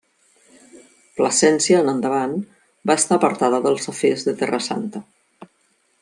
Plasència en endavant va estar apartada dels afers de Terra Santa.